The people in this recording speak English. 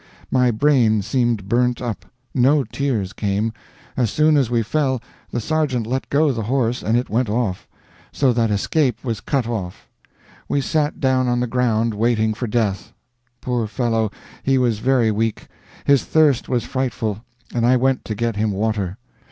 My brain seemed burnt up. No tears came. As soon as we fell, the sergeant let go the horse, and it went off; so that escape was cut off. We sat down on the ground waiting for death. Poor fellow! he was very weak; his thirst was frightful, and I went to get him water.